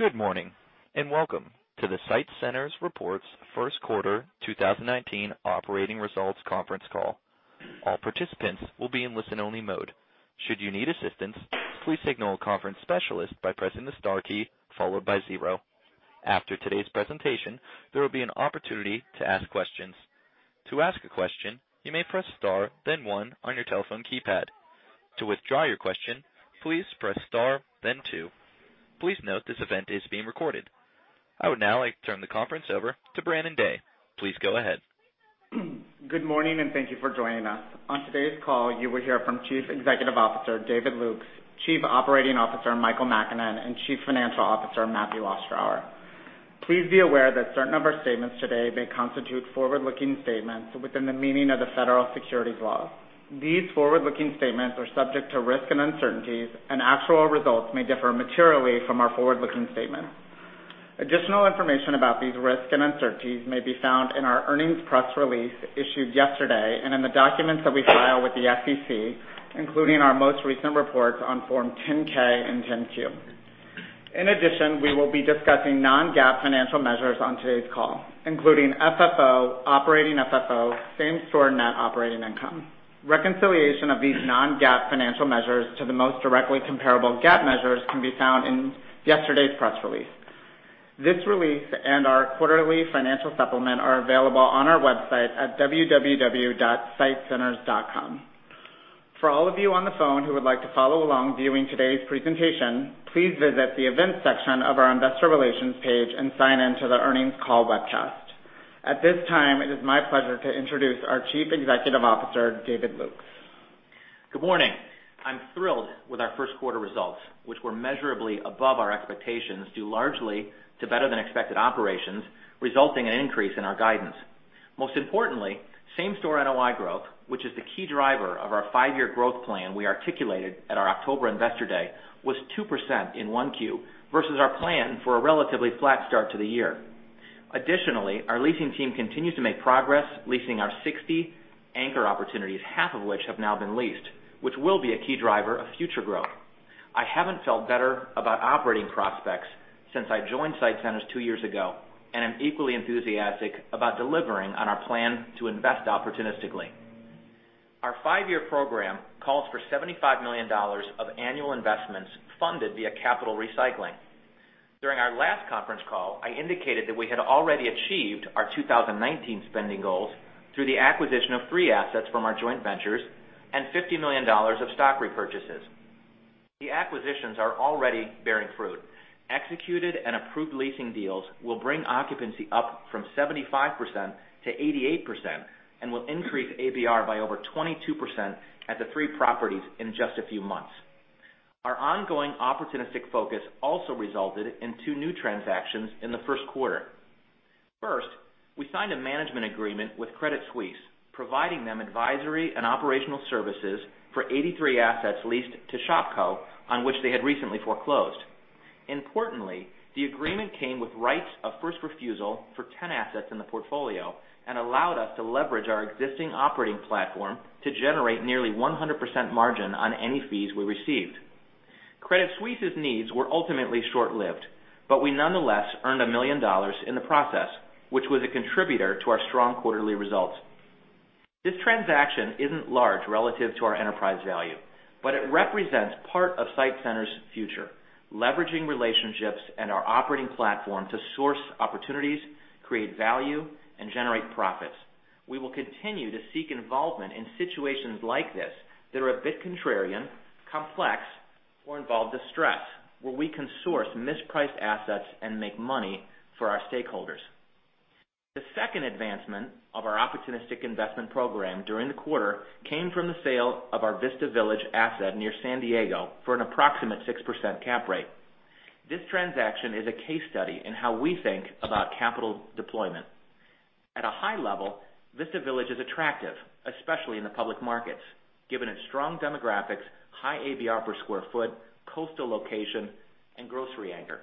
Good morning, and welcome to the SITE Centers Reports first quarter 2019 operating results conference call. All participants will be in listen-only mode. Should you need assistance, please signal a conference specialist by pressing the star key, followed by zero. After today's presentation, there will be an opportunity to ask questions. To ask a question, you may press star, then one on your telephone keypad. To withdraw your question, please press star, then two. Please note this event is being recorded. I would now like to turn the conference over to Brandon Day. Please go ahead. Good morning, and thank you for joining us. On today's call, you will hear from Chief Executive Officer, David Lukes, Chief Operating Officer, Michael Makinen, and Chief Financial Officer, Matthew Ostrower. Please be aware that a certain number of our statements today may constitute forward-looking statements within the meaning of the federal securities laws. These forward-looking statements are subject to risks and uncertainties, and actual results may differ materially from our forward-looking statements. Additional information about these risks and uncertainties may be found in our earnings press release issued yesterday and in the documents that we file with the SEC, including our most recent reports on Form 10-K and 10-Q. We will be discussing non-GAAP financial measures on today's call, including FFO, operating FFO, same-store net operating income. Reconciliation of these non-GAAP financial measures to the most directly comparable GAAP measures can be found in yesterday's press release. This release and our quarterly financial supplement are available on our website at www.sitecenters.com. For all of you on the phone who would like to follow along viewing today's presentation, please visit the events section of our investor relations page and sign in to the earnings call webcast. At this time, it is my pleasure to introduce our Chief Executive Officer, David Lukes. Good morning. I'm thrilled with our first quarter results, which were measurably above our expectations, due largely to better than expected operations, resulting in an increase in our guidance. Most importantly, same-store NOI growth, which is the key driver of our five-year growth plan we articulated at our October investor day, was 2% in 1Q versus our plan for a relatively flat start to the year. Our leasing team continues to make progress leasing our 60 anchor opportunities, half of which have now been leased, which will be a key driver of future growth. I haven't felt better about operating prospects since I joined SITE Centers two years ago, and I'm equally enthusiastic about delivering on our plan to invest opportunistically. Our five-year program calls for $75 million of annual investments funded via capital recycling. During our last conference call, I indicated that we had already achieved our 2019 spending goals through the acquisition of three assets from our joint ventures and $50 million of stock repurchases. The acquisitions are already bearing fruit. Executed and approved leasing deals will bring occupancy up from 75% to 88% and will increase ABR by over 22% at the three properties in just a few months. Our ongoing opportunistic focus also resulted in two new transactions in the first quarter. First, we signed a management agreement with Credit Suisse, providing them advisory and operational services for 83 assets leased to Shopko, on which they had recently foreclosed. Importantly, the agreement came with rights of first refusal for 10 assets in the portfolio and allowed us to leverage our existing operating platform to generate nearly 100% margin on any fees we received. Credit Suisse's needs were ultimately short-lived, we nonetheless earned $1 million in the process, which was a contributor to our strong quarterly results. This transaction isn't large relative to our enterprise value, it represents part of SITE Centers' future, leveraging relationships and our operating platform to source opportunities, create value, and generate profits. We will continue to seek involvement in situations like this that are a bit contrarian, complex, or involve distress, where we can source mispriced assets and make money for our stakeholders. The second advancement of our opportunistic investment program during the quarter came from the sale of our Vista Village asset near San Diego for an approximate 6% cap rate. This transaction is a case study in how we think about capital deployment. At a high level, Vista Village is attractive, especially in the public markets, given its strong demographics, high ABR per square foot, coastal location, and grocery anchor.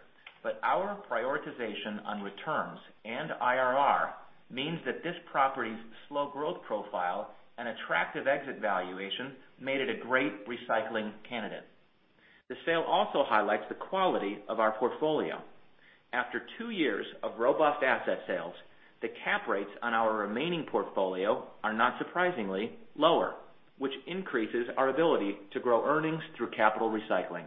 Our prioritization on returns and IRR means that this property's slow growth profile and attractive exit valuation made it a great recycling candidate. The sale also highlights the quality of our portfolio. After two years of robust asset sales, the cap rates on our remaining portfolio are not surprisingly lower, which increases our ability to grow earnings through capital recycling.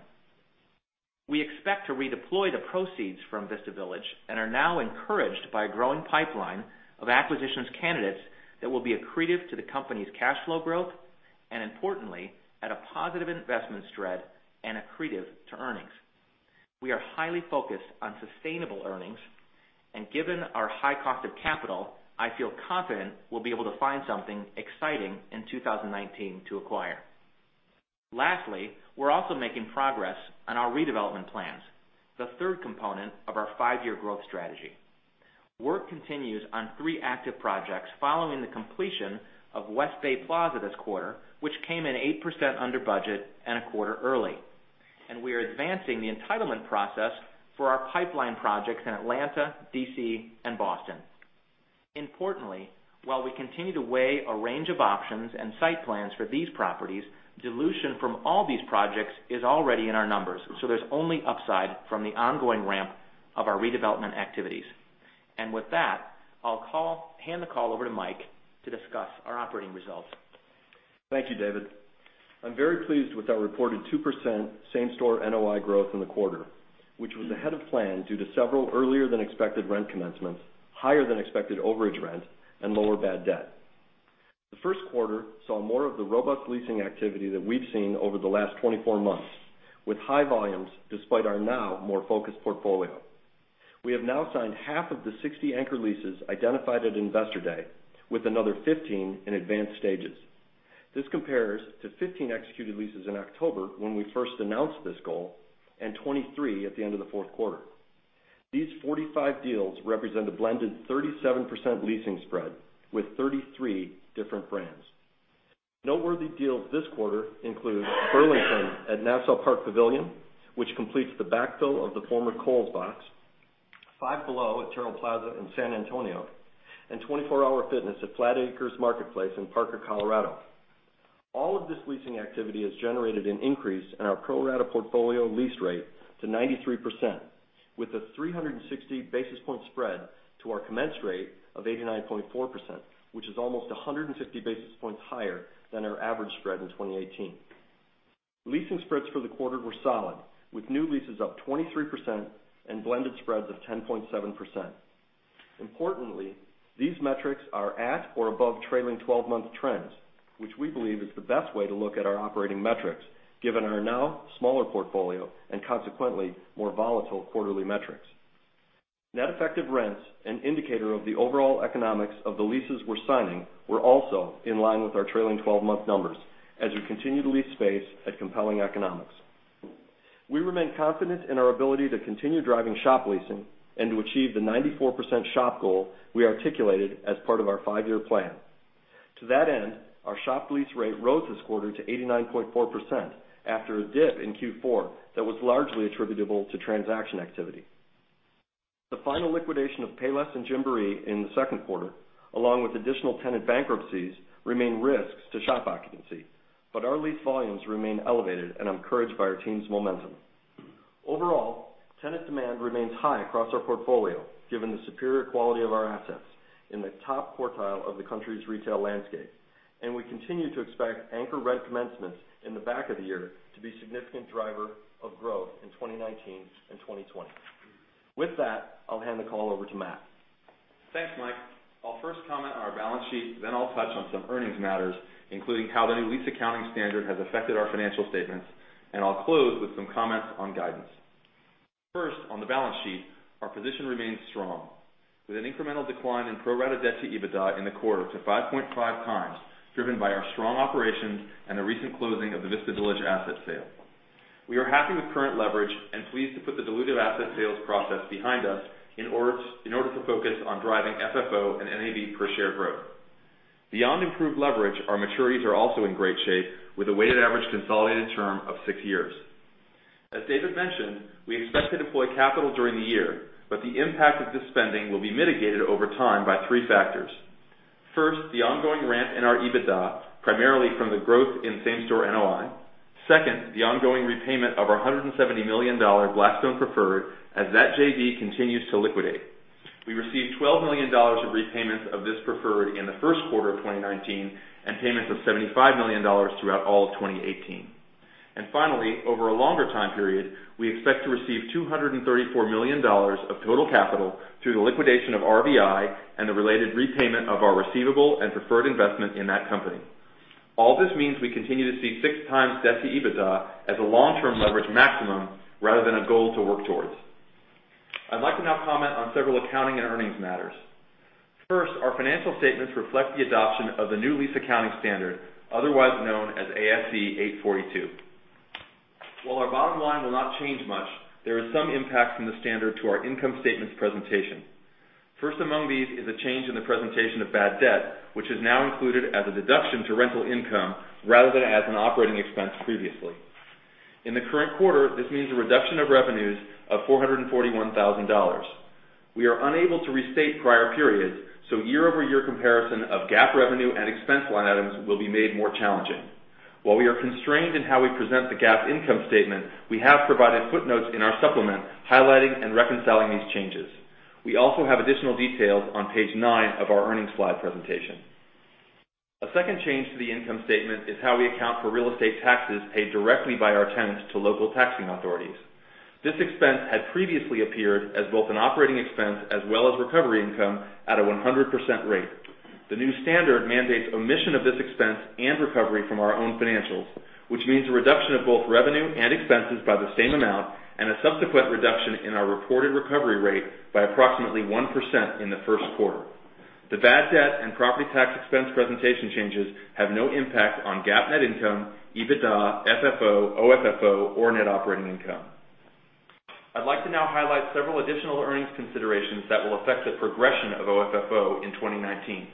We expect to redeploy the proceeds from Vista Village and are now encouraged by a growing pipeline of acquisitions candidates that will be accretive to the company's cash flow growth, and importantly, at a positive investment spread and accretive to earnings. We are highly focused on sustainable earnings. Given our high cost of capital, I feel confident we'll be able to find something exciting in 2019 to acquire. Lastly, we're also making progress on our redevelopment plans, the third component of our five-year growth strategy. Work continues on three active projects following the completion of West Bay Plaza this quarter, which came in 8% under budget and a quarter early. We are advancing the entitlement process for our pipeline projects in Atlanta, D.C., and Boston. Importantly, while we continue to weigh a range of options and site plans for these properties, dilution from all these projects is already in our numbers. There's only upside from the ongoing ramp of our redevelopment activities. With that, I'll hand the call over to Mike to discuss our operating results. Thank you, David. I'm very pleased with our reported 2% same-store NOI growth in the quarter, which was ahead of plan due to several earlier than expected rent commencements, higher than expected overage rent, and lower bad debt. The first quarter saw more of the robust leasing activity that we've seen over the last 24 months, with high volumes despite our now more focused portfolio. We have now signed half of the 60 anchor leases identified at Investor Day, with another 15 in advanced stages. This compares to 15 executed leases in October when we first announced this goal, and 23 at the end of the fourth quarter. These 45 deals represent a blended 37% leasing spread with 33 different brands. Noteworthy deals this quarter include Burlington at Nassau Park Pavilion, which completes the backfill of the former Kohl's box, Five Below at Terrell Plaza in San Antonio, and 24 Hour Fitness at Flat Acres Marketplace in Parker, Colorado. All of this leasing activity has generated an increase in our pro rata portfolio lease rate to 93%, with a 360 basis point spread to our commence rate of 89.4%, which is almost 150 basis points higher than our average spread in 2018. Leasing spreads for the quarter were solid, with new leases up 23% and blended spreads of 10.7%. Importantly, these metrics are at or above trailing 12-month trends, which we believe is the best way to look at our operating metrics, given our now smaller portfolio and consequently more volatile quarterly metrics. Net effective rents, an indicator of the overall economics of the leases we're signing, were also in line with our trailing 12-month numbers as we continue to lease space at compelling economics. We remain confident in our ability to continue driving shop leasing and to achieve the 94% shop goal we articulated as part of our five-year plan. To that end, our shop lease rate rose this quarter to 89.4% after a dip in Q4 that was largely attributable to transaction activity. The final liquidation of Payless and Gymboree in the second quarter, along with additional tenant bankruptcies, remain risks to shop occupancy, but our lease volumes remain elevated and encouraged by our team's momentum. Overall, tenant demand remains high across our portfolio, given the superior quality of our assets in the top quartile of the country's retail landscape, and we continue to expect anchor rent commencements in the back of the year to be a significant driver of growth in 2019 and 2020. With that, I'll hand the call over to Matt. Thanks, Mike. I'll first comment on our balance sheet. I'll touch on some earnings matters, including how the new lease accounting standard has affected our financial statements. I'll close with some comments on guidance. First, on the balance sheet, our position remains strong, with an incremental decline in pro rata debt to EBITDA in the quarter to 5.5 times, driven by our strong operations and the recent closing of the Vista Village asset sale. We are happy with current leverage and pleased to put the dilutive asset sales process behind us in order to focus on driving FFO and NAV per share growth. Beyond improved leverage, our maturities are also in great shape, with a weighted average consolidated term of six years. As David mentioned, we expect to deploy capital during the year. The impact of this spending will be mitigated over time by three factors. First, the ongoing ramp in our EBITDA, primarily from the growth in same-store NOI. Second, the ongoing repayment of our $170 million Blackstone preferred as that JV continues to liquidate. We received $12 million of repayments of this preferred in the first quarter of 2019 and payments of $75 million throughout all of 2018. Finally, over a longer time period, we expect to receive $234 million of total capital through the liquidation of RVI and the related repayment of our receivable and preferred investment in that company. All this means we continue to see six times debt to EBITDA as a long-term leverage maximum rather than a goal to work towards. I'd like to now comment on several accounting and earnings matters. First, our financial statements reflect the adoption of the new lease accounting standard, otherwise known as ASC 842. While our bottom line will not change much, there is some impact from the standard to our income statement presentation. First among these is a change in the presentation of bad debt, which is now included as a deduction to rental income rather than as an operating expense previously. In the current quarter, this means a reduction of revenues of $441,000. We are unable to restate prior periods. Year-over-year comparison of GAAP revenue and expense line items will be made more challenging. While we are constrained in how we present the GAAP income statement, we have provided footnotes in our supplement highlighting and reconciling these changes. We also have additional details on page nine of our earnings slide presentation. A second change to the income statement is how we account for real estate taxes paid directly by our tenants to local taxing authorities. This expense had previously appeared as both an operating expense as well as recovery income at a 100% rate. The new standard mandates omission of this expense and recovery from our own financials, which means a reduction of both revenue and expenses by the same amount and a subsequent reduction in our reported recovery rate by approximately 1% in the first quarter. The bad debt and property tax expense presentation changes have no impact on GAAP net income, EBITDA, FFO, OFFO, or net operating income. I'd like to now highlight several additional earnings considerations that will affect the progression of OFFO in 2019.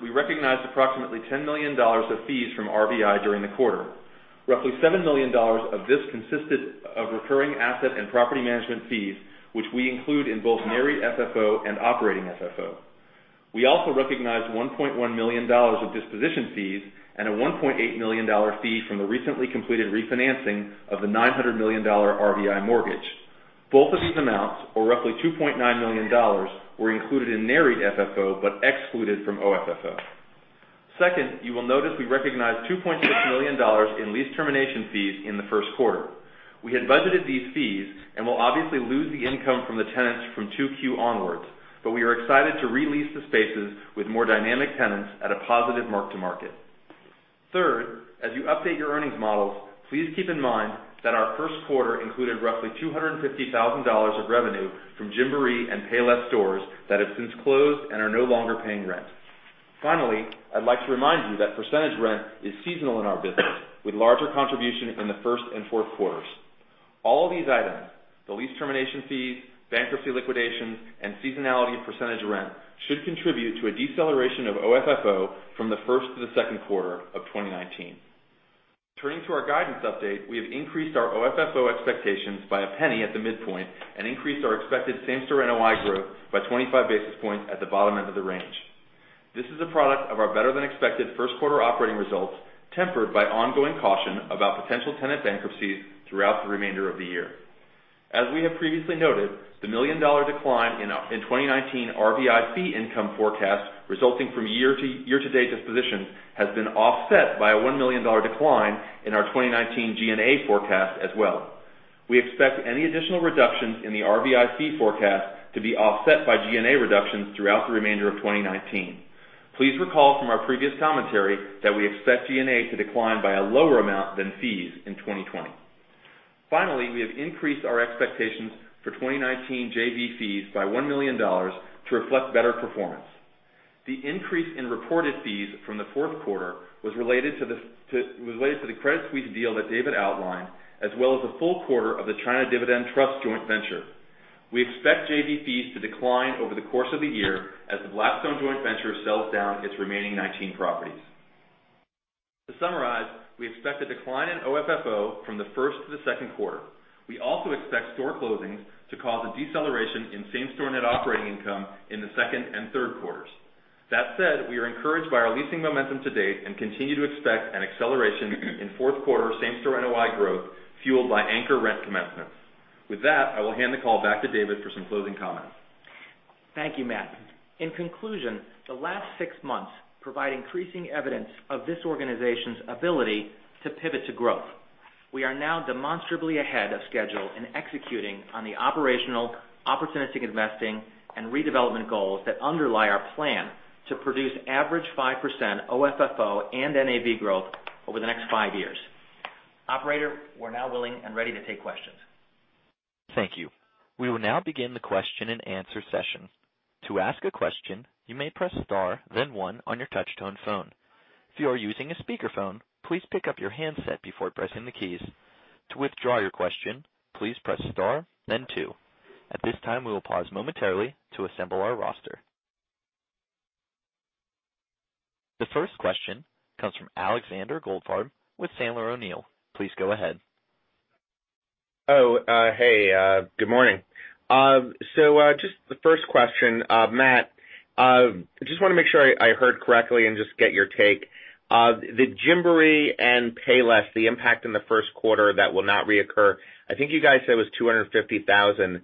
We recognized approximately $10 million of fees from RVI during the quarter. Roughly $7 million of this consisted of recurring asset and property management fees, which we include in both Nareit FFO and operating FFO. We also recognized $1.1 million of disposition fees and a $1.8 million fee from the recently completed refinancing of the $900 million RVI mortgage. Both of these amounts, or roughly $2.9 million, were included in Nareit FFO, but excluded from OFFO. You will notice we recognized $2.6 million in lease termination fees in the first quarter. We had budgeted these fees and will obviously lose the income from the tenants from 2Q onwards, but we are excited to re-lease the spaces with more dynamic tenants at a positive mark to market. As you update your earnings models, please keep in mind that our first quarter included roughly $250,000 of revenue from Gymboree and Payless stores that have since closed and are no longer paying rent. I'd like to remind you that percentage rent is seasonal in our business, with larger contribution in the first and fourth quarters. All these items, the lease termination fees, bankruptcy liquidations, and seasonality of percentage rent, should contribute to a deceleration of OFFO from the first to the second quarter of 2019. Turning to our guidance update, we have increased our OFFO expectations by a penny at the midpoint and increased our expected same-store NOI growth by 25 basis points at the bottom end of the range. This is a product of our better-than-expected first quarter operating results, tempered by ongoing caution about potential tenant bankruptcies throughout the remainder of the year. As we have previously noted, the million-dollar decline in 2019 RVI fee income forecast resulting from year-to-date dispositions has been offset by a $1 million decline in our 2019 G&A forecast as well. We expect any additional reductions in the RVI fee forecast to be offset by G&A reductions throughout the remainder of 2019. Please recall from our previous commentary that we expect G&A to decline by a lower amount than fees in 2020. We have increased our expectations for 2019 JV fees by $1 million to reflect better performance. The increase in reported fees from the fourth quarter was related to the Credit Suisse deal that David outlined, as well as the full quarter of the China Dividend Trust joint venture. We expect JV fees to decline over the course of the year as the Blackstone joint venture sells down its remaining 19 properties. We expect a decline in OFFO from the first to the second quarter. We also expect store closings to cause a deceleration in same-store net operating income in the second and third quarters. That said, we are encouraged by our leasing momentum to date and continue to expect an acceleration in fourth-quarter same-store NOI growth, fueled by anchor rent commencements. With that, I will hand the call back to David for some closing comments. Thank you, Matt. In conclusion, the last six months provide increasing evidence of this organization's ability to pivot to growth. We are now demonstrably ahead of schedule in executing on the operational, opportunistic investing, and redevelopment goals that underlie our plan to produce average 5% OFFO and NAV growth over the next five years. Operator, we are now willing and ready to take questions. Thank you. We will now begin the question-and-answer session. To ask a question, you may press star then one on your touch-tone phone. If you are using a speakerphone, please pick up your handset before pressing the keys. To withdraw your question, please press star then two. At this time, we will pause momentarily to assemble our roster. The first question comes from Alexander Goldfarb with Sandler O'Neill. Please go ahead. Hey. Good morning. Just the first question, Matt. Just want to make sure I heard correctly and just get your take. The Gymboree and Payless, the impact in the first quarter that will not reoccur, I think you guys said was $250,000.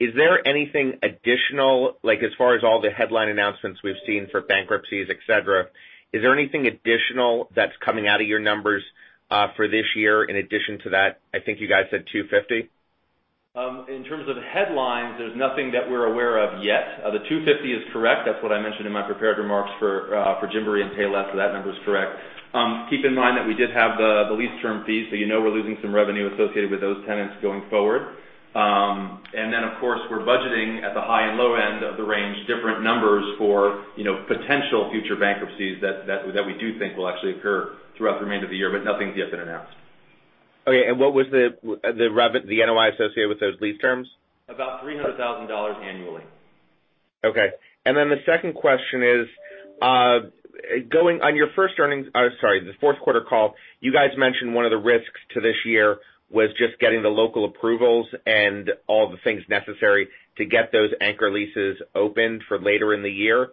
Is there anything additional, like as far as all the headline announcements we have seen for bankruptcies, et cetera, is there anything additional that is coming out of your numbers for this year in addition to that? I think you guys said $250,000. In terms of headlines, there's nothing that we're aware of yet. The 250 is correct. That's what I mentioned in my prepared remarks for Gymboree and Payless. That number's correct. Keep in mind that we did have the lease term fees, so you know we're losing some revenue associated with those tenants going forward. Of course, we're budgeting at the high and low end of the range, different numbers for potential future bankruptcies that we do think will actually occur throughout the remainder of the year, but nothing's yet been announced. What was the NOI associated with those lease terms? About $300,000 annually. The second question is, on your fourth quarter call, you guys mentioned one of the risks to this year was just getting the local approvals and all the things necessary to get those anchor leases opened for later in the year.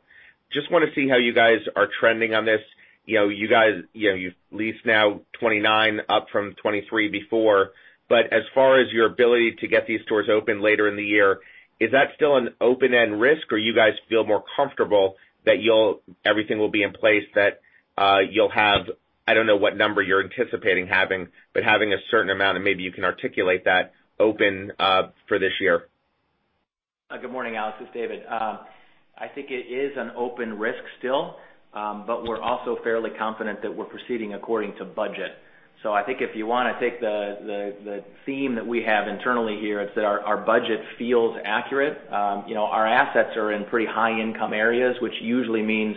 Just want to see how you guys are trending on this. You've leased now 29, up from 23 before. As far as your ability to get these stores open later in the year, is that still an open-end risk, or you guys feel more comfortable that everything will be in place that you'll have, I don't know what number you're anticipating having, but having a certain amount, and maybe you can articulate that, open for this year? Good morning, Alex. It's David. I think it is an open risk still, but we're also fairly confident that we're proceeding according to budget. I think if you want to take the theme that we have internally here, it's that our budget feels accurate. Our assets are in pretty high-income areas, which usually means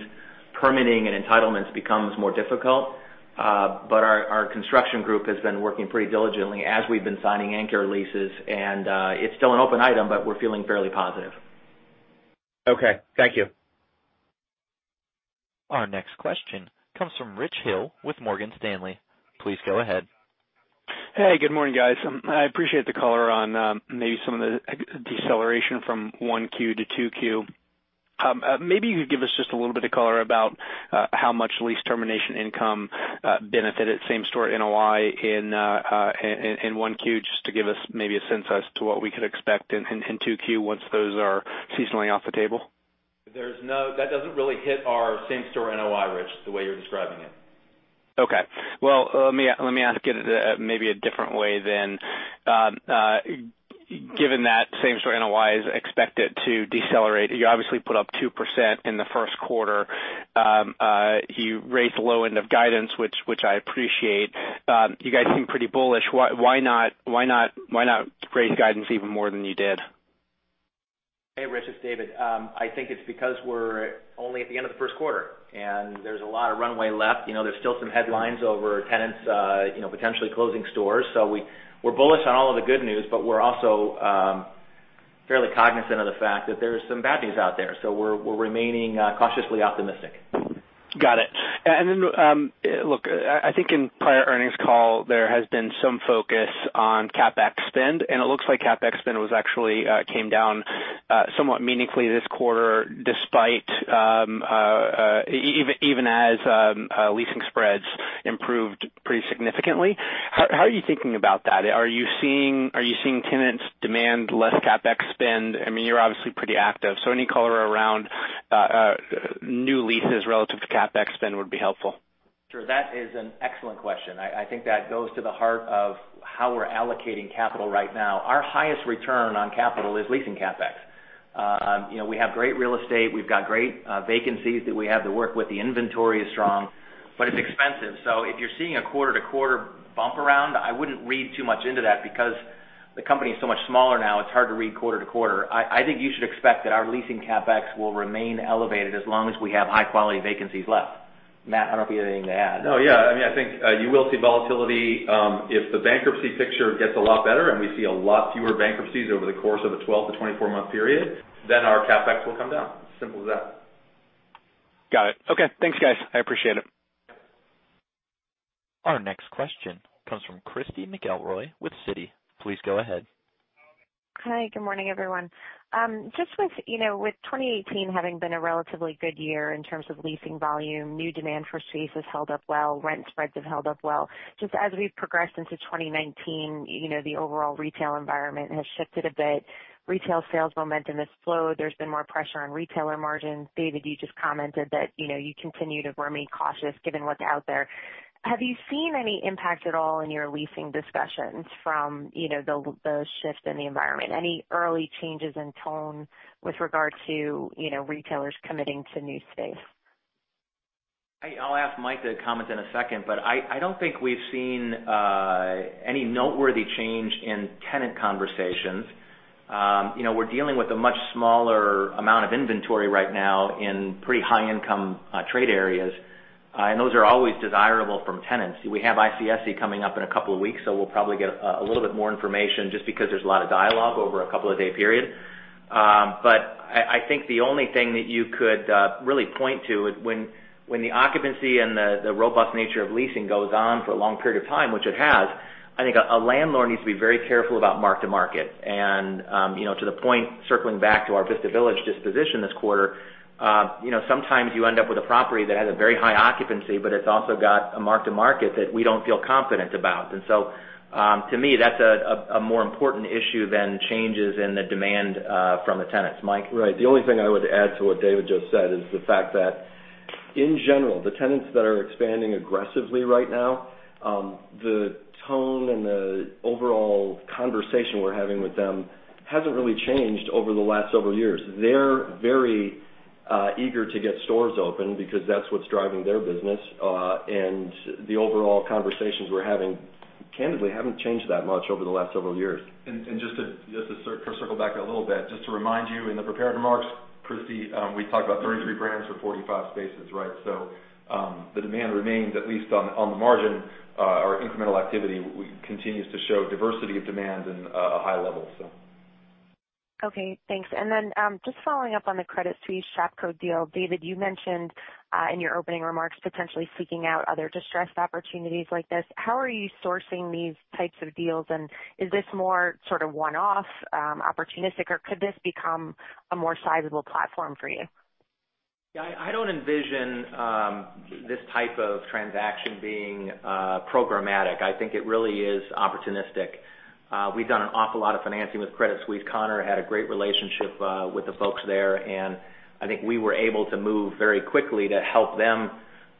permitting and entitlements becomes more difficult. Our construction group has been working pretty diligently as we've been signing anchor leases, and it's still an open item, but we're feeling fairly positive. Okay. Thank you. Our next question comes from Rich Hill with Morgan Stanley. Please go ahead. Hey, good morning, guys. I appreciate the color on maybe some of the deceleration from one Q to two Q. Maybe you could give us just a little bit of color about how much lease termination income benefited same-store NOI in one Q, just to give us maybe a sense as to what we could expect in two Q once those are seasonally off the table. That doesn't really hit our same-store NOI, Rich, the way you're describing it. Okay. Well, let me ask it maybe a different way then. Given that same-store NOI is expected to decelerate, you obviously put up 2% in the first quarter. You raised the low end of guidance, which I appreciate. You guys seem pretty bullish. Why not raise guidance even more than you did? Hey, Rich, it's David. I think it's because we're only at the end of the first quarter and there's a lot of runway left. There's still some headlines over tenants potentially closing stores. We're bullish on all of the good news, but we're also fairly cognizant of the fact that there's some bad news out there. We're remaining cautiously optimistic. Got it. Look, I think in prior earnings call, there has been some focus on CapEx spend, and it looks like CapEx spend actually came down somewhat meaningfully this quarter, even as leasing spreads improved pretty significantly. How are you thinking about that? Are you seeing tenants demand less CapEx spend? You're obviously pretty active, so any color around new leases relative to CapEx spend would be helpful. Sure. That is an excellent question. I think that goes to the heart of how we're allocating capital right now. Our highest return on capital is leasing CapEx. We have great real estate. We've got great vacancies that we have to work with. The inventory is strong, but it's expensive. If you're seeing a quarter to quarter bump around, I wouldn't read too much into that because the company is so much smaller now, it's hard to read quarter to quarter. I think you should expect that our leasing CapEx will remain elevated as long as we have high-quality vacancies left. Matt, I don't know if you have anything to add. No. Yeah. I think you will see volatility. If the bankruptcy picture gets a lot better and we see a lot fewer bankruptcies over the course of a 12 to 24-month period, our CapEx will come down. Simple as that. Got it. Okay. Thanks, guys. I appreciate it. Our next question comes from Christy McElroy with Citi. Please go ahead. Hi. Good morning, everyone. Just with 2018 having been a relatively good year in terms of leasing volume, new demand for space has held up well, rent spreads have held up well. Just as we progress into 2019, the overall retail environment has shifted a bit. Retail sales momentum has slowed. There has been more pressure on retailer margins. David, you just commented that you continue to remain cautious given what is out there. Have you seen any impact at all in your leasing discussions from the shift in the environment? Any early changes in tone with regard to retailers committing to new space? I will ask Mike to comment in a second, but I don't think we've seen any noteworthy change in tenant conversations. We're dealing with a much smaller amount of inventory right now in pretty high-income trade areas, and those are always desirable from tenants. We have ICSC coming up in a couple of weeks, so we will probably get a little bit more information just because there is a lot of dialogue over a couple of day period. I think the only thing that you could really point to is when the occupancy and the robust nature of leasing goes on for a long period of time, which it has, I think a landlord needs to be very careful about mark to market. To the point, circling back to our Vista Village disposition this quarter, sometimes you end up with a property that has a very high occupancy, but it is also got a mark to market that we don't feel confident about. To me, that is a more important issue than changes in the demand from the tenants. Mike? Right. The only thing I would add to what David just said is the fact that in general, the tenants that are expanding aggressively right now, the tone and the overall conversation we're having with them has not really changed over the last several years. They're very eager to get stores open because that is what is driving their business. The overall conversations we're having, candidly, have not changed that much over the last several years. Just to circle back a little bit, just to remind you, in the prepared remarks, Christy, we talked about 33 brands for 45 spaces, right? The demand remains, at least on the margin. Our incremental activity continues to show diversity of demand and a high level. Okay, thanks. Just following up on the Credit Suisse Shopko deal, David, you mentioned in your opening remarks, potentially seeking out other distressed opportunities like this. How are you sourcing these types of deals, and is this more sort of one-off opportunistic, or could this become a more sizable platform for you? I don't envision this type of transaction being programmatic. I think it really is opportunistic. We've done an awful lot of financing with Credit Suisse. Conor had a great relationship with the folks there, and I think we were able to move very quickly to help them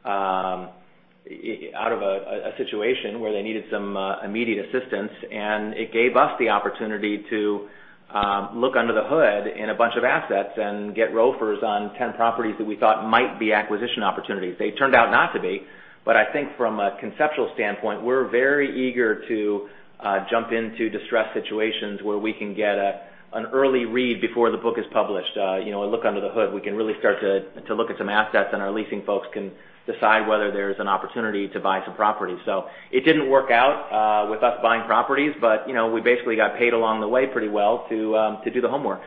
out of a situation where they needed some immediate assistance. It gave us the opportunity to look under the hood in a bunch of assets and get ROFRs on 10 properties that we thought might be acquisition opportunities. They turned out not to be, I think from a conceptual standpoint, we're very eager to jump into distressed situations where we can get an early read before the book is published. A look under the hood. We can really start to look at some assets, and our leasing folks can decide whether there's an opportunity to buy some property. It didn't work out with us buying properties, we basically got paid along the way pretty well to do the homework.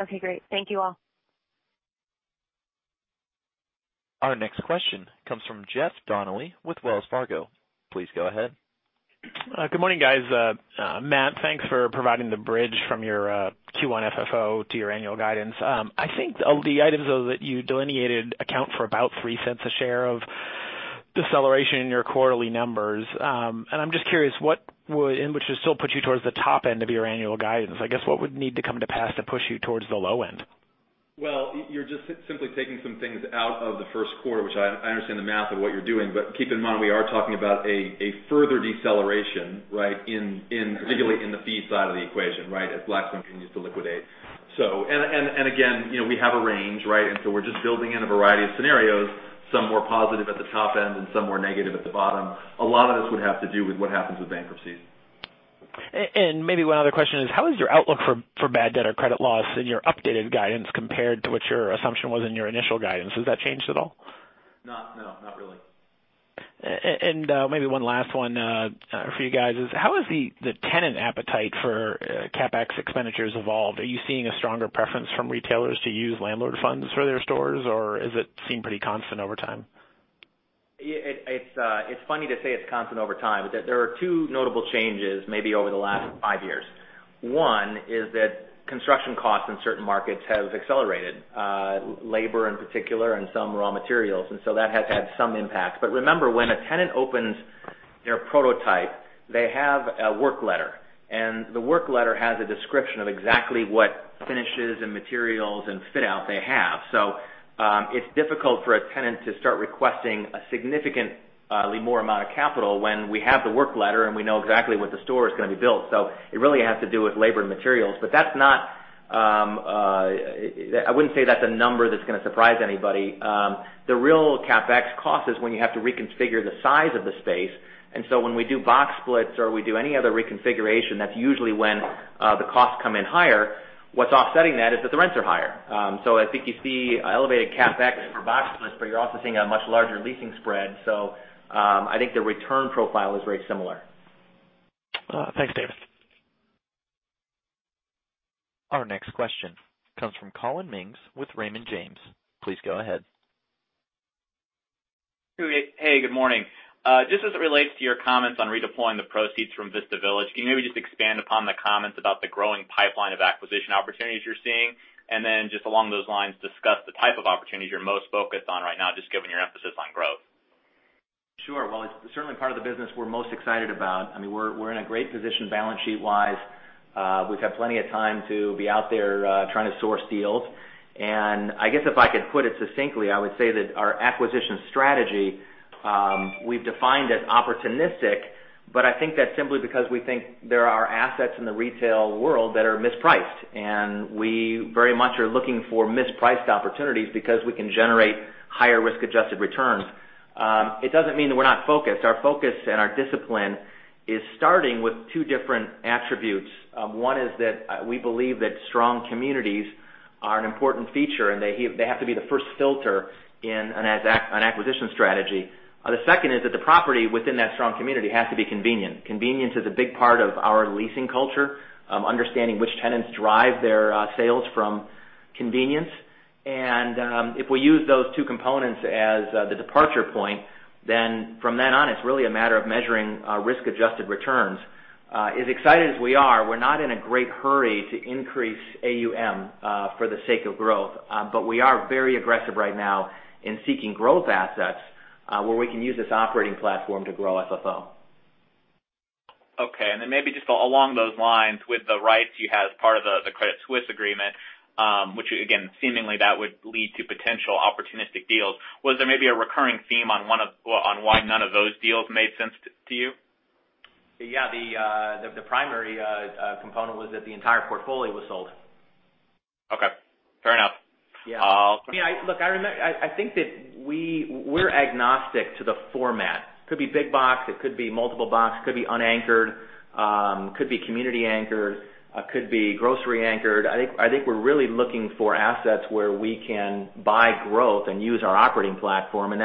Okay, great. Thank you all. Our next question comes from Jeff Donnelly with Wells Fargo. Please go ahead. Good morning, guys. Matt, thanks for providing the bridge from your Q1 FFO to your annual guidance. I think of the items, though, that you delineated account for about $0.03 a share of deceleration in your quarterly numbers. I'm just curious, which would still put you towards the top end of your annual guidance. I guess what would need to come to pass to push you towards the low end? Well, you're just simply taking some things out of the first quarter, which I understand the math of what you're doing, but keep in mind, we are talking about a further deceleration, particularly in the fee side of the equation, as Blackstone continues to liquidate. Again, we have a range. So we're just building in a variety of scenarios, some more positive at the top end and some more negative at the bottom. A lot of this would have to do with what happens with bankruptcies. Maybe one other question is, how has your outlook for bad debt or credit loss in your updated guidance compared to what your assumption was in your initial guidance? Has that changed at all? No, not really. Maybe one last one for you guys is, how has the tenant appetite for CapEx expenditures evolved? Are you seeing a stronger preference from retailers to use landlord funds for their stores, or does it seem pretty constant over time? It's funny to say it's constant over time, there are two notable changes maybe over the last five years. One is that construction costs in certain markets have accelerated, labor in particular, and some raw materials. That has had some impact. Remember, when a tenant opens their prototype, they have a work letter, and the work letter has a description of exactly what finishes and materials and fit out they have. It's difficult for a tenant to start requesting a significantly more amount of capital when we have the work letter and we know exactly what the store is going to be built. It really has to do with labor and materials. I wouldn't say that's a number that's going to surprise anybody. The real CapEx cost is when you have to reconfigure the size of the space. When we do box splits or we do any other reconfiguration, that's usually when the costs come in higher. What's offsetting that is that the rents are higher. I think you see elevated CapEx for box splits, but you're also seeing a much larger leasing spread. I think the return profile is very similar. Thanks, David. Our next question comes from Collin Mings with Raymond James. Please go ahead. Hey, good morning. Just as it relates to your comments on redeploying the proceeds from Vista Village, can you maybe just expand upon the comments about the growing pipeline of acquisition opportunities you're seeing? Just along those lines, discuss the type of opportunities you're most focused on right now, just given your emphasis on growth. Sure. Well, it's certainly part of the business we're most excited about. We're in a great position balance sheet-wise. We've had plenty of time to be out there trying to source deals. I guess if I could put it succinctly, I would say that our acquisition strategy, we've defined as opportunistic, but I think that's simply because we think there are assets in the retail world that are mispriced, and we very much are looking for mispriced opportunities because we can generate higher risk-adjusted returns. It doesn't mean that we're not focused. Our focus and our discipline is starting with two different attributes. One is that we believe that strong communities are an important feature, and they have to be the first filter in an acquisition strategy. The second is that the property within that strong community has to be convenient. Convenience is a big part of our leasing culture, understanding which tenants drive their sales from convenience. If we use those two components as the departure point, then from then on, it's really a matter of measuring risk-adjusted returns. As excited as we are, we're not in a great hurry to increase AUM for the sake of growth. We are very aggressive right now in seeking growth assets where we can use this operating platform to grow FFO. Okay. Then maybe just along those lines with the rights you had as part of the Credit Suisse agreement, which again, seemingly that would lead to potential opportunistic deals, was there maybe a recurring theme on why none of those deals made sense to you? Yeah. The primary component was that the entire portfolio was sold. Okay. Fair enough. Yeah. Look, I think that we're agnostic to the format. It could be big box, it could be multiple box, it could be unanchored, it could be community anchored, it could be grocery anchored. I think we're really looking for assets where we can buy growth and use our operating platform, and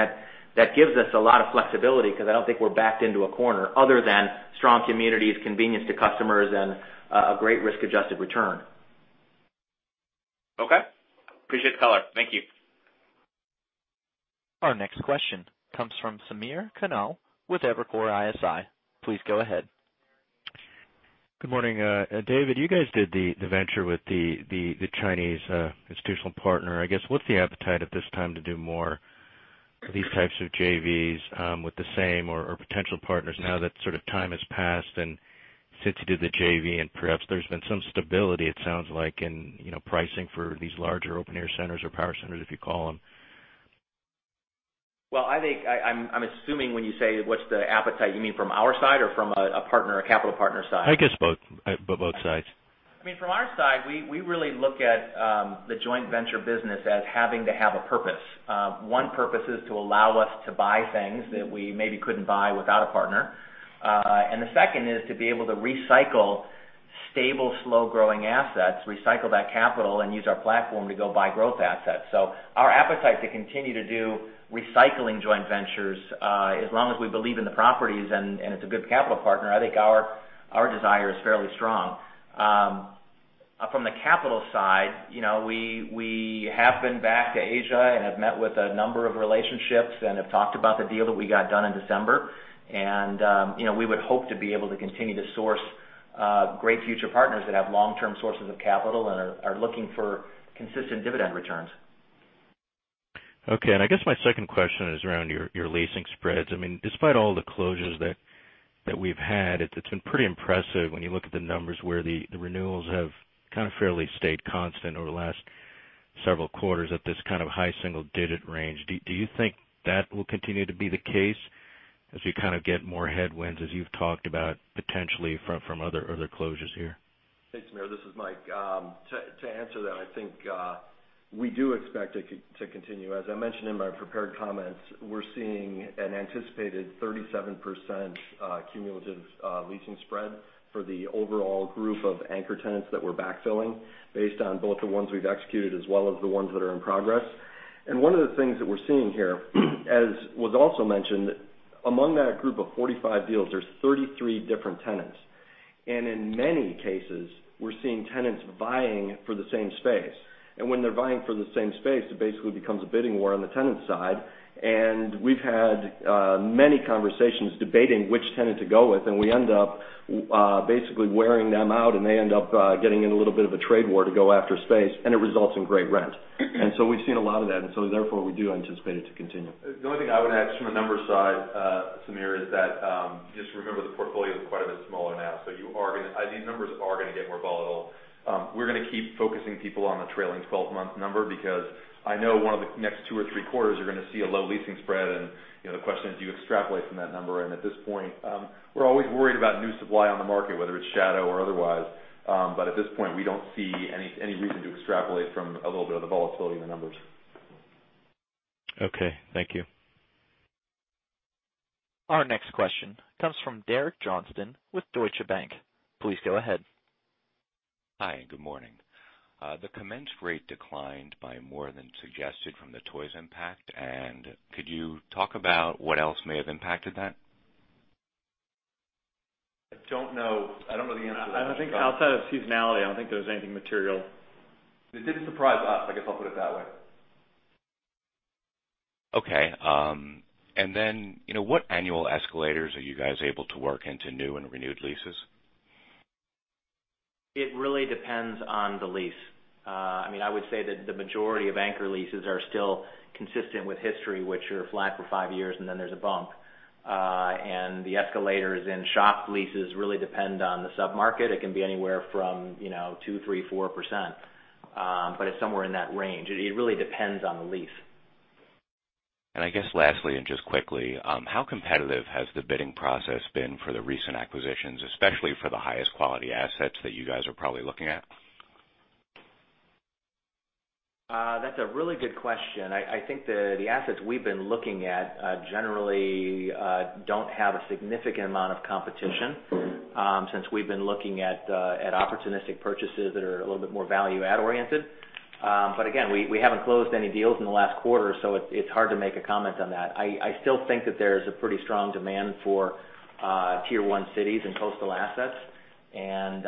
that gives us a lot of flexibility because I don't think we're backed into a corner other than strong communities, convenience to customers, and a great risk-adjusted return. Okay. Appreciate the color. Thank you. Our next question comes from Sameer Khanal with Evercore ISI. Please go ahead. Good morning. David, you guys did the venture with the Chinese institutional partner. I guess, what's the appetite at this time to do more of these types of JVs with the same or potential partners now that sort of time has passed, and since you did the JV and perhaps there's been some stability, it sounds like, in pricing for these larger open-air centers or power centers, if you call them? Well, I'm assuming when you say what's the appetite, you mean from our side or from a capital partner side? I guess both sides. From our side, we really look at the joint venture business as having to have a purpose. One purpose is to allow us to buy things that we maybe couldn't buy without a partner. The second is to be able to recycle stable, slow-growing assets, recycle that capital, and use our platform to go buy growth assets. Our appetite to continue to do recycling joint ventures, as long as we believe in the properties and it's a good capital partner, I think our desire is fairly strong. From the capital side, we have been back to Asia and have met with a number of relationships and have talked about the deal that we got done in December. We would hope to be able to continue to source great future partners that have long-term sources of capital and are looking for consistent dividend returns. Okay. I guess my second question is around your leasing spreads. Despite all the closures that we've had, it's been pretty impressive when you look at the numbers where the renewals have fairly stayed constant over the last several quarters at this kind of high single-digit range. Do you think that will continue to be the case as we get more headwinds, as you've talked about, potentially from other closures here? Thanks, Sameer. This is Mike. To answer that, I think we do expect it to continue. As I mentioned in my prepared comments, we're seeing an anticipated 37% cumulative leasing spread for the overall group of anchor tenants that we're backfilling based on both the ones we've executed as well as the ones that are in progress. One of the things that we're seeing here, as was also mentioned, among that group of 45 deals, there's 33 different tenants. In many cases, we're seeing tenants vying for the same space. When they're vying for the same space, it basically becomes a bidding war on the tenant side. We've had many conversations debating which tenant to go with, and we end up basically wearing them out, and they end up getting in a little bit of a trade war to go after space, and it results in great rent. We've seen a lot of that, and so therefore, we do anticipate it to continue. The only thing I would add from the numbers side, Sameer, is that just remember the portfolio is quite a bit smaller now. These numbers are going to get more volatile. We're going to keep focusing people on the trailing 12-month number, because I know one of the next two or three quarters, you're going to see a low leasing spread, and the question is, do you extrapolate from that number? At this point, we're always worried about new supply on the market, whether it's shadow or otherwise. At this point, we don't see any reason to extrapolate from a little bit of the volatility in the numbers. Okay. Thank you. Our next question comes from Derek Johnston with Deutsche Bank. Please go ahead. Hi, good morning. The commence rate declined by more than suggested from the Toys impact. Could you talk about what else may have impacted that? I don't know the answer to that. Outside of seasonality, I don't think there's anything material. It didn't surprise us, I guess I'll put it that way. Okay. What annual escalators are you guys able to work into new and renewed leases? It really depends on the lease. I would say that the majority of anchor leases are still consistent with history, which are flat for five years, then there's a bump. The escalators in shop leases really depend on the sub-market. It can be anywhere from 2%, 3%, 4%. It's somewhere in that range. It really depends on the lease. I guess lastly, just quickly, how competitive has the bidding process been for the recent acquisitions, especially for the highest quality assets that you guys are probably looking at? That's a really good question. I think the assets we've been looking at generally don't have a significant amount of competition since we've been looking at opportunistic purchases that are a little bit more value-add oriented. Again, we haven't closed any deals in the last quarter, so it's hard to make a comment on that. I still think that there's a pretty strong demand for tier 1 cities and coastal assets, and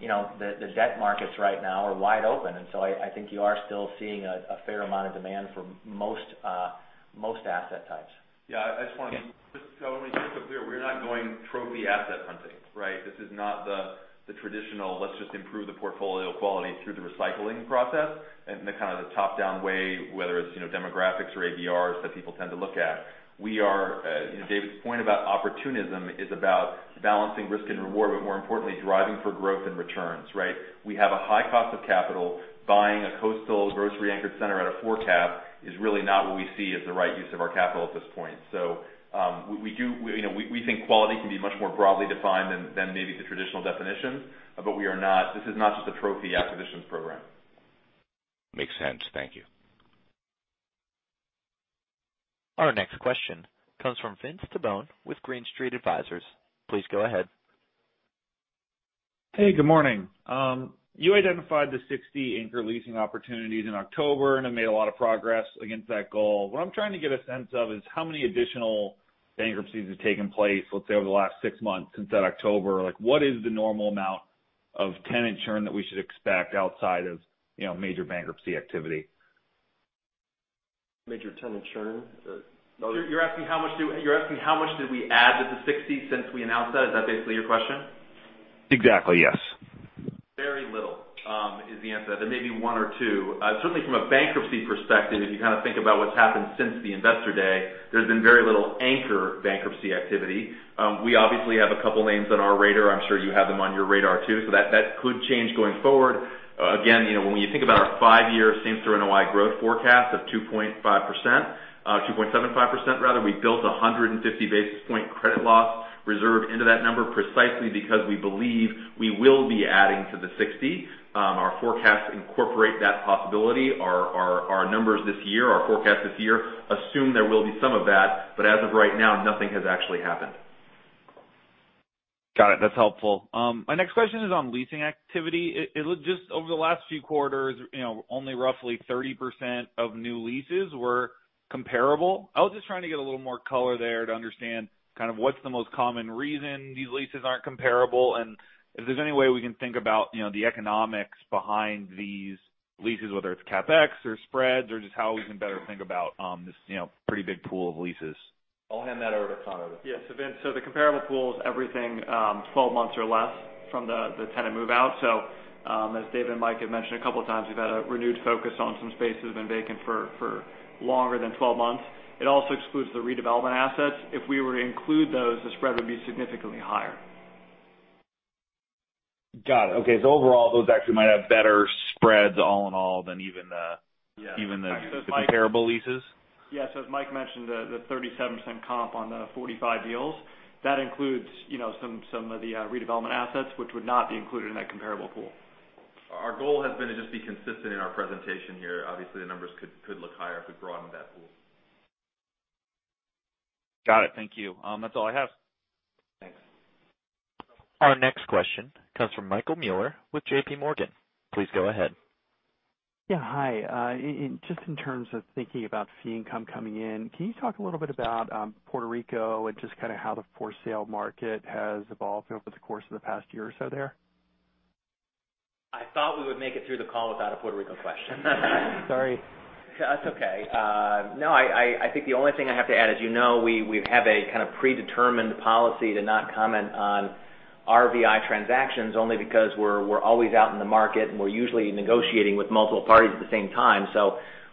the debt markets right now are wide open. I think you are still seeing a fair amount of demand for most asset types. Yeah, I just want to make this clear. We're not going trophy asset hunting, right? This is not the traditional, let's just improve the portfolio quality through the recycling process in the kind of top-down way, whether it's demographics or ABRs that people tend to look at. David's point about opportunism is about balancing risk and reward, but more importantly, driving for growth and returns, right? We have a high cost of capital. Buying a coastal grocery anchored center at a four cap is really not what we see as the right use of our capital at this point. We think quality can be much more broadly defined than maybe the traditional definition, but this is not just a trophy acquisitions program. Makes sense. Thank you. Our next question comes from Vince Tibone with Green Street Advisors. Please go ahead. Hey, good morning. You identified the 60 anchor leasing opportunities in October and have made a lot of progress against that goal. What I'm trying to get a sense of is how many additional bankruptcies have taken place, let's say, over the last six months since that October. What is the normal amount of tenant churn that we should expect outside of major bankruptcy activity? Major tenant churn? You're asking how much did we add to the 60 since we announced that? Is that basically your question? Exactly, yes. Very little is the answer. There may be one or two. Certainly from a bankruptcy perspective, if you think about what's happened since the investor day, there's been very little anchor bankruptcy activity. We obviously have a couple of names on our radar. I'm sure you have them on your radar, too. That could change going forward. Again, when you think about our five-year same-store NOI growth forecast of 2.5%, 2.75% rather, we built 150 basis point credit loss reserve into that number precisely because we believe we will be adding to the 60. Our forecasts incorporate that possibility. Our numbers this year, our forecast this year, assume there will be some of that. As of right now, nothing has actually happened. Got it. That's helpful. My next question is on leasing activity. Just over the last few quarters, only roughly 30% of new leases were comparable. I was just trying to get a little more color there to understand what's the most common reason these leases aren't comparable, and if there's any way we can think about the economics behind these leases, whether it's CapEx or spreads, or just how we can better think about this pretty big pool of leases. I'll hand that over to Conor. Yes. Vince, the comparable pool is everything 12 months or less from the tenant move-out. As Dave and Mike have mentioned a couple of times, we've had a renewed focus on some spaces that have been vacant for longer than 12 months. It also excludes the redevelopment assets. If we were to include those, the spread would be significantly higher. Got it. Okay. Overall, those actually might have better spreads all in all than even Yeah. comparable leases. Yes. As Mike mentioned, the 37% comp on the 45 deals, that includes some of the redevelopment assets, which would not be included in that comparable pool. Our goal has been to just be consistent in our presentation here. Obviously, the numbers could look higher if we broaden that pool. Got it. Thank you. That's all I have. Thanks. Our next question comes from Michael Mueller with J.P. Morgan. Please go ahead. Hi. Just in terms of thinking about fee income coming in, can you talk a little bit about Puerto Rico and just how the for-sale market has evolved over the course of the past year or so there? I thought we would make it through the call without a Puerto Rico question. Sorry. That's okay. I think the only thing I have to add, as you know, we have a kind of predetermined policy to not comment on RVI transactions, only because we're always out in the market, and we're usually negotiating with multiple parties at the same time.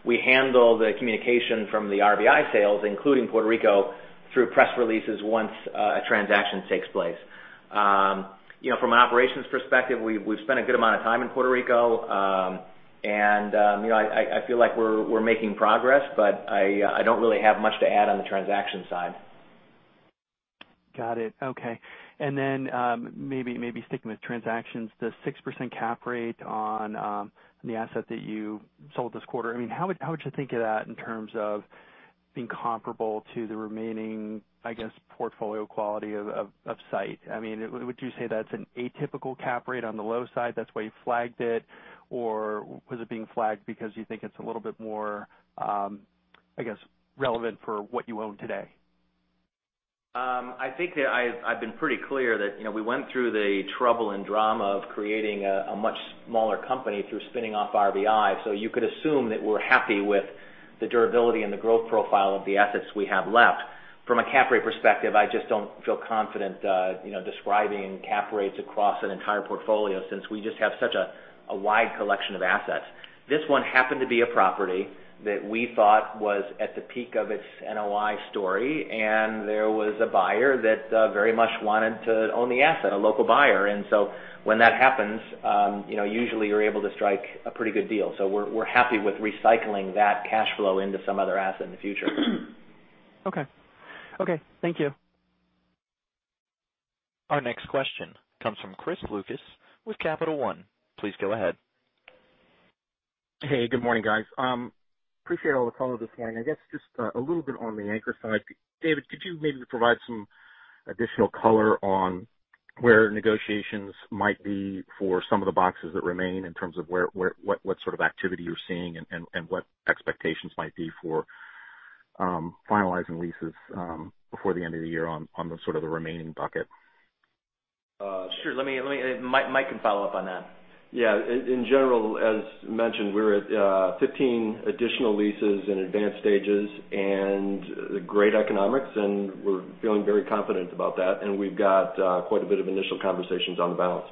We handle the communication from the RVI sales, including Puerto Rico, through press releases once a transaction takes place. From an operations perspective, we've spent a good amount of time in Puerto Rico. I feel like we're making progress, but I don't really have much to add on the transaction side. Got it. Okay. Then, maybe sticking with transactions, the 6% cap rate on the asset that you sold this quarter, how would you think of that in terms of being comparable to the remaining, I guess, portfolio quality of SITE? Was it an atypical cap rate on the low side, that's why you flagged it? Or was it being flagged because you think it's a little bit more, I guess, relevant for what you own today? I think that I've been pretty clear that we went through the trouble and drama of creating a much smaller company through spinning off RVI. You could assume that we're happy with the durability and the growth profile of the assets we have left. From a cap rate perspective, I just don't feel confident describing cap rates across an entire portfolio since we just have such a wide collection of assets. This one happened to be a property that we thought was at the peak of its NOI story. There was a buyer that very much wanted to own the asset, a local buyer. When that happens, usually you're able to strike a pretty good deal. We're happy with recycling that cash flow into some other asset in the future. Okay. Thank you. Our next question comes from Chris Lucas with Capital One. Please go ahead. Hey, good morning, guys. Appreciate all the color this morning. I guess just a little bit on the anchor side. David, could you maybe provide some additional color on where negotiations might be for some of the boxes that remain in terms of what sort of activity you're seeing and what expectations might be for finalizing leases before the end of the year on the sort of the remaining bucket? Sure. Mike can follow up on that. Yeah. In general, as mentioned, we're at 15 additional leases in advanced stages and great economics, and we're feeling very confident about that, and we've got quite a bit of initial conversations on the balance.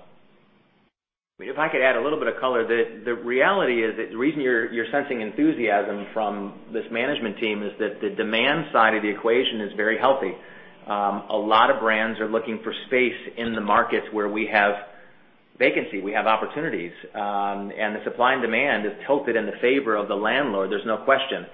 If I could add a little bit of color. The reality is that the reason you're sensing enthusiasm from this management team is that the demand side of the equation is very healthy. A lot of brands are looking for space in the markets where we have vacancy, we have opportunities. The supply and demand is tilted in the favor of the landlord, there's no question.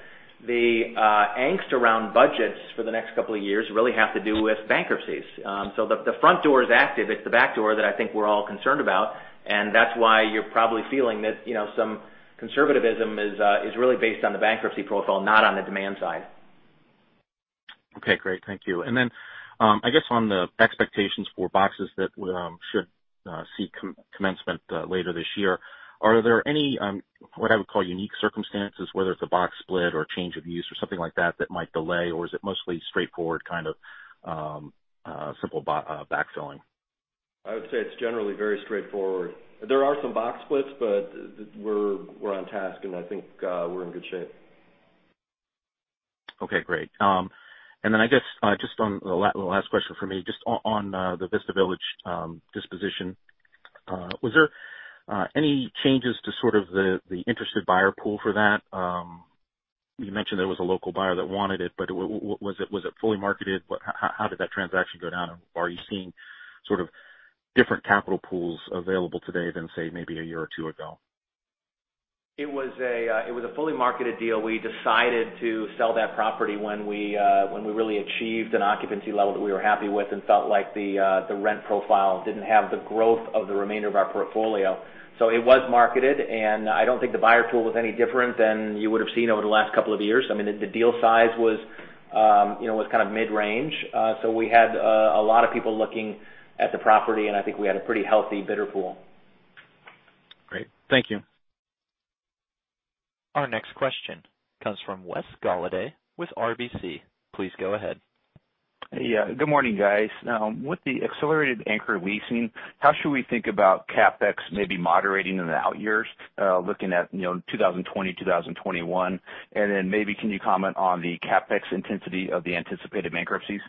The angst around budgets for the next couple of years really have to do with bankruptcies. The front door is active. It's the back door that I think we're all concerned about, and that's why you're probably feeling that some conservativism is really based on the bankruptcy profile, not on the demand side. Okay, great. Thank you. I guess on the expectations for boxes that should seek commencement later this year, are there any, what I would call unique circumstances, whether it's a box split or change of use or something like that that might delay, or is it mostly straightforward, kind of simple backfilling? I would say it's generally very straightforward. There are some box splits, but we're on task, and I think we're in good shape. Okay, great. I guess, just on the last question for me, just on the Vista Village disposition, was there any changes to sort of the interested buyer pool for that? You mentioned there was a local buyer that wanted it, but was it fully marketed? How did that transaction go down? Are you seeing sort of different capital pools available today than, say, maybe a year or two ago? It was a fully marketed deal. We decided to sell that property when we really achieved an occupancy level that we were happy with and felt like the rent profile didn't have the growth of the remainder of our portfolio. It was marketed, and I don't think the buyer pool was any different than you would've seen over the last couple of years. I mean, the deal size was kind of mid-range. We had a lot of people looking at the property, and I think we had a pretty healthy bidder pool. Great. Thank you. Our next question comes from Wes Golladay with RBC. Please go ahead. Good morning, guys. With the accelerated anchor leasing, how should we think about CapEx maybe moderating in the out years, looking at 2020, 2021? Maybe can you comment on the CapEx intensity of the anticipated bankruptcies?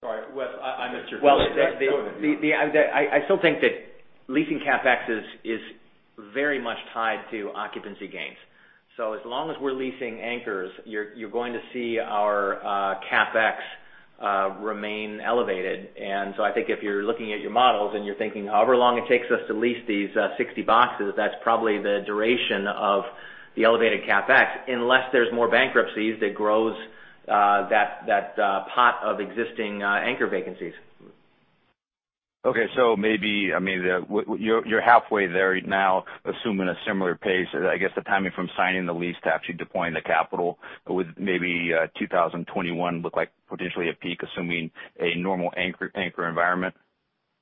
Sorry, Wes, I missed your- Well- Go ahead, yeah. I still think that leasing CapEx is very much tied to occupancy gains. As long as we're leasing anchors, you're going to see our CapEx remain elevated. I think if you're looking at your models and you're thinking however long it takes us to lease these 60 boxes, that's probably the duration of the elevated CapEx, unless there's more bankruptcies that grows that pot of existing anchor vacancies. Okay. Maybe, you're halfway there now, assuming a similar pace, I guess the timing from signing the lease to actually deploying the capital. Would maybe 2021 look like potentially a peak, assuming a normal anchor environment?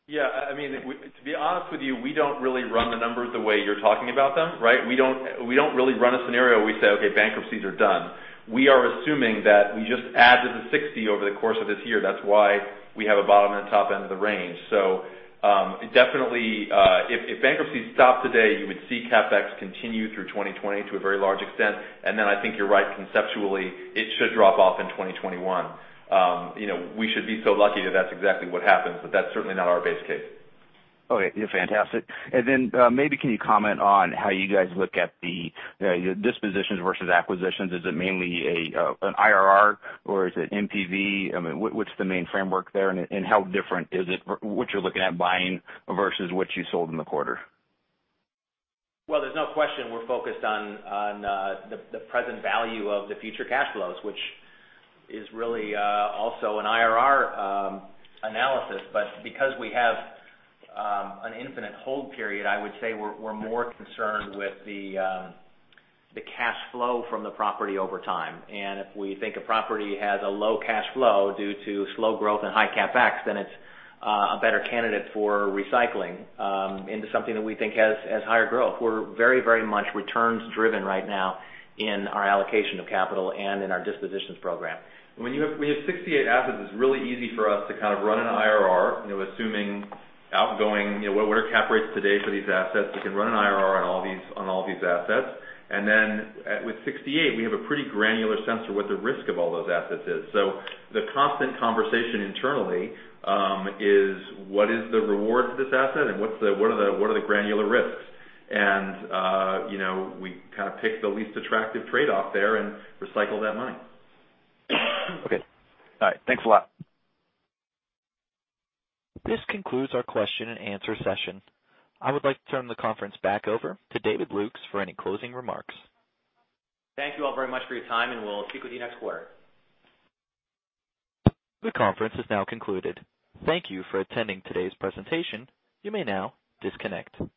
Yeah. To be honest with you, we don't really run the numbers the way you're talking about them, right? We don't really run a scenario, we say, "Okay, bankruptcies are done." We are assuming that we just add to the 60 over the course of this year. That's why we have a bottom and a top end of the range. Definitely, if bankruptcies stopped today, you would see CapEx continue through 2020 to a very large extent. Then I think you're right, conceptually, it should drop off in 2021. We should be so lucky that that's exactly what happens, but that's certainly not our base case. Okay. Yeah, fantastic. Maybe can you comment on how you guys look at the dispositions versus acquisitions. Is it mainly an IRR or is it NPV? What's the main framework there, and how different is it, what you're looking at buying versus what you sold in the quarter? Well, there's no question we're focused on the present value of the future cash flows, which is really also an IRR analysis. Because we have an infinite hold period, I would say we're more concerned with the cash flow from the property over time. If we think a property has a low cash flow due to slow growth and high CapEx, it's a better candidate for recycling into something that we think has higher growth. We're very much returns-driven right now in our allocation of capital and in our dispositions program. When you have 68 assets, it's really easy for us to kind of run an IRR, assuming outgoing, what are cap rates today for these assets? We can run an IRR on all these assets. With 68, we have a pretty granular sense for what the risk of all those assets is. The constant conversation internally is what is the reward for this asset and what are the granular risks? We kind of pick the least attractive trade-off there and recycle that money. Okay. All right. Thanks a lot. This concludes our question and answer session. I would like to turn the conference back over to David Lukes for any closing remarks. Thank you all very much for your time. We'll speak with you next quarter. The conference is now concluded. Thank you for attending today's presentation. You may now disconnect.